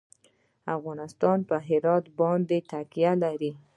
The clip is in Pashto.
افغانستان په هرات باندې تکیه لري.